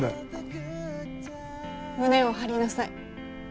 胸を張りなさい。